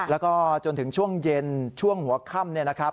แล้วก็จนถึงช่วงเย็นช่วงหัวค่ำเนี่ยนะครับ